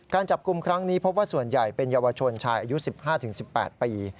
การจับกลุ่มครั้งนี้พบว่าส่วนใหญ่เป็นเยาวชนชายอายุ๑๕๑๘ปี